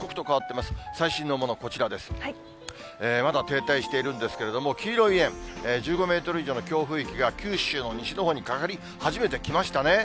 まだ停滞しているんですけれども、黄色い円、１５メートル以上の強風域が九州の西のほうにかかり、はじめてきましたね。